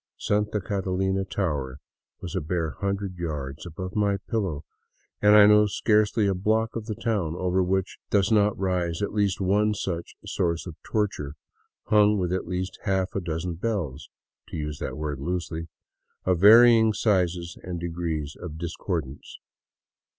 Santa Catalina tower was a bare hundred yards above my pillow, and I know scarcely a btock of the town over which does not rise at least one such source of torture, hung with at least half a dozen bells — to use the word loosely — of varying sizes and degrees of discordance.